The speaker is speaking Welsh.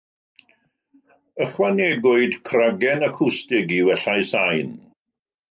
Ychwanegwyd cragen acwstig i wella'i sain.